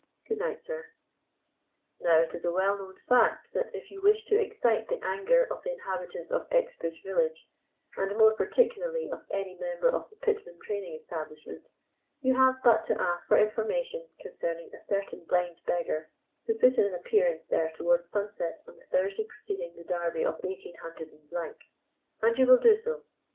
"Good night, sir." Now, it is a well known fact that if you wish to excite the anger of the inhabitants of Exbridge village, and more particularly of any member of the Pitman training Establishment, you have but to ask for information concerning a certain blind beggar who put in an appearance there towards sunset on the Thursday preceding the Derby of 18 , and you will do so.